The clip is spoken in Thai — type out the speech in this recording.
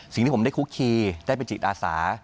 สิ่งที่ผมได้คุกคีได้เป็นจิตอาสา